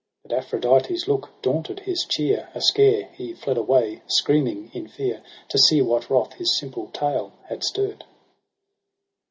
^ But Aphrodite's look daunted his cheer, Ascare he fled away, screaming in fear. To see what wrath his simple tale had stirr'd.